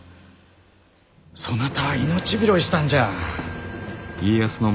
そなたは命拾いしたんじゃ。